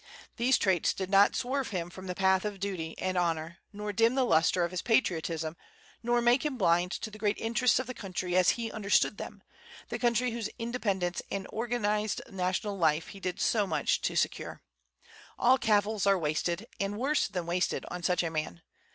These traits did not swerve him from the path of duty and honor, nor dim the lustre of his patriotism, nor make him blind to the great interests of the country as he understood them, the country whose independence and organized national life he did so much to secure. All cavils are wasted, and worse than wasted, on such a man.